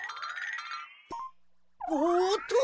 おっと！